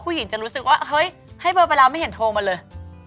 จะรู้สึกว่าเฮ้ยให้เบอร์ไปแล้วไม่เห็นโทรมาเลย